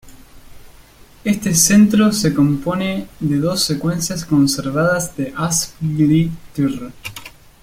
Este centro se compone de dos secuencias conservadas de Asp-Gly-Thr.